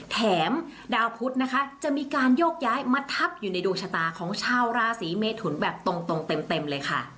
แถมดาวพุทธนะคะจะมีการโยกย้ายมาทับอยู่ในดวงชะตาของชาวราศีเมทุนแบบตรงเต็มเลยค่ะ